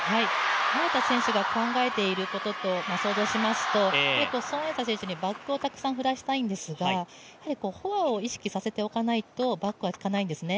早田選手が考えていることを想像しますと、孫エイ莎選手にバックをたくさん振らせたいんですが、フォアを意識させておかないとバックはいかないんですね。